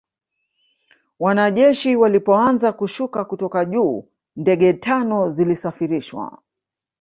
wanajeshi walipoanza kushuka kutoka juu Ndege tano zilisafirisha